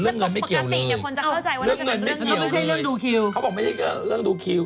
เรื่องเงินไม่เกี่ยวเลยเรื่องเงินไม่เกี่ยวเลยเขาบอกไม่ใช่เรื่องดูคิว